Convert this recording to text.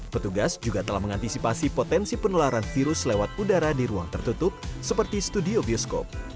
petugas juga telah mengantisipasi potensi penularan virus lewat udara di ruang tertutup seperti studio bioskop